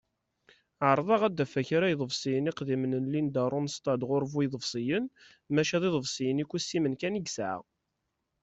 Ɛerḍeɣ ad d-afeɣ kra iḍebsiyen iqdimen n Linda Ronstadt ɣur bu-iḍebsiyen, maca d iḍebsiyen ikussimen kan i yesεa.